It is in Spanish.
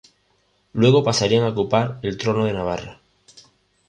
Luego pasarían a ocupar el trono de Navarra.